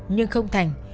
nhưng không thành